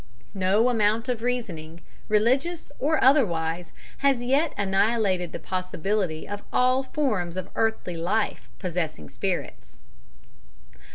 No amount of reasoning religious or otherwise has as yet annihilated the possibility of all forms of earthly life possessing spirits.